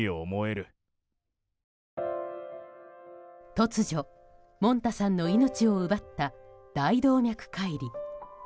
突如、もんたさんの命を奪った大動脈解離。